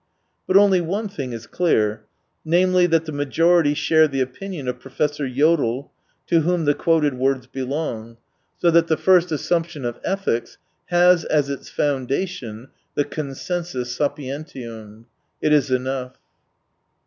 Bu^ only one thing is clear : namely, that the majority share the opinion of Professor YodI, to whom the quoted words belong. So that the first assumption of ethics has as its foundation the consensus sapientium. It is enough.